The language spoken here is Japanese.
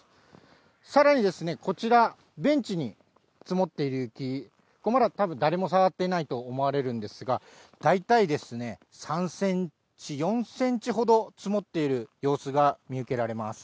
さらにですね、こちら、ベンチに積もっている雪、ここ、まだ誰も触ってないと思われるんですが、大体ですね、３センチ、４センチほど積もっている様子が見受けられます。